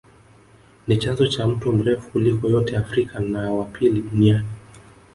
Ni chanzo cha mto mrefu kuliko yote Afrika na wa pili Duniani